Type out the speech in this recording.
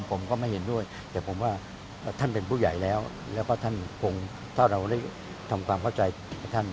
ผมก็ไม่เห็นด้วยแต่ผมว่าท่านเป็นผู้ใหญ่แล้วแล้วก็ท่านคงถ้าเราได้ทำความเข้าใจกับท่าน